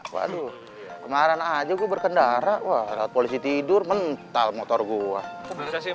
waduh kemarin aja gue berkendara wah polisi tidur mental motor gue sih